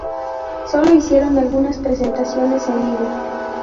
Sólo hicieron algunas presentaciones en vivo.